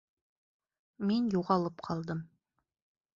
Мин юғалып ҡалдым.